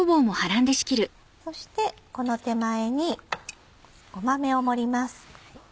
そしてこの手前にごまめを盛ります。